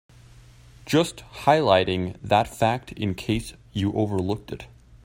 Just highlighting that fact in case you overlooked it.